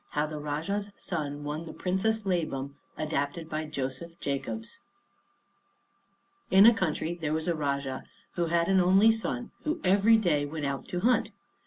HOW THE RAJAH'S SON WON THE PRINCESS LABAM ADAPTED BY JOSEPH JACOBS In a country there was a Rajah who had an only son who every day went out to hunt.